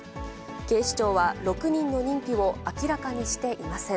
警視庁は、６人の認否を明らかにしていません。